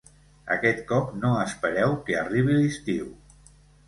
Aquest cop no espereu que arribi l'estiu.